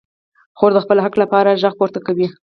خور د خپل حق لپاره غږ پورته کوي.